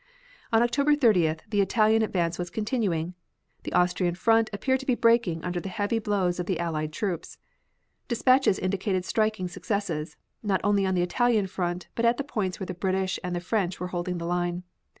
On October 30th the Italian advance was continuing. The Austrian front appeared to be breaking under the heavy blows of the Allied troops. Dispatches indicated striking successes, not only on the Italian front but at the points where the British and the French were holding the line.